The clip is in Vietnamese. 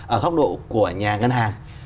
ở góc độ của nhà ngân hàng